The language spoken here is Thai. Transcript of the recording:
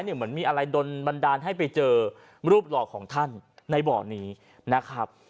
เนี่ยมันมีอะไรดนบรรดาให้ไปเจอรูปหลอกของท่านในบ่อนี้นะครับ